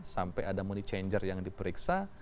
sampai ada money changer yang diperiksa